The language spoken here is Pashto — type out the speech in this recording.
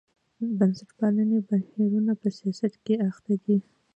بنسټپالي بهیرونه په سیاست کې اخته دي.